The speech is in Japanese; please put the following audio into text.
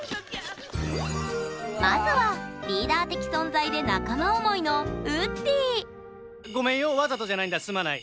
まずはリーダー的存在で仲間思いのごめんよわざとじゃないんだすまない。